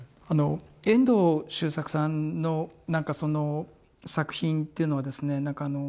あの遠藤周作さんのなんかその作品っていうのはですね